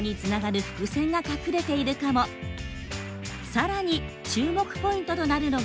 更に注目ポイントとなるのが。